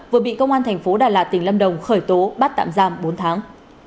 vừa bị công an thành phố đà lạt tỉnh lâm đồng khởi tố bắt tạm giam bốn tháng